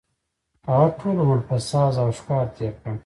هغه ټول عمر په ساز او ښکار تېر کړ.